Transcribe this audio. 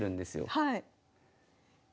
はい。